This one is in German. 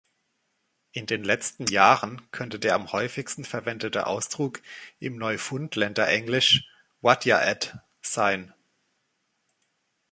In den letzten Jahren könnte der am häufigsten verwendete Ausdruck im Neufundländer-Englisch "Whadd'ya at" sein.